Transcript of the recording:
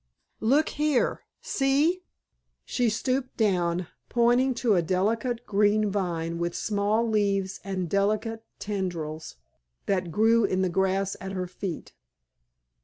Look here, see?" She stooped down, pointing to a delicate green vine with small leaves and delicate tendrils that grew in the grass at her feet.